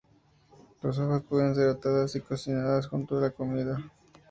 Las hojas pueden ser atadas y cocinadas junto con la comida.